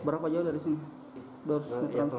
berapa jauh dari sini